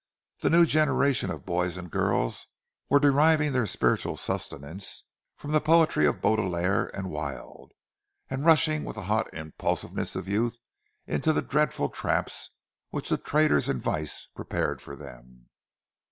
The new generation of boys and girls were deriving their spiritual sustenance from the poetry of Baudelaire and Wilde; and rushing with the hot impulsiveness of youth into the dreadful traps which the traders in vice prepared for them.